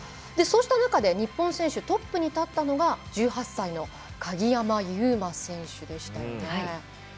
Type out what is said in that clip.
そうした中で日本選手トップに立ったのが１８歳の鍵山優真選手でしたね。